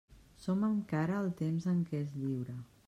Som encara al temps en què és lliure.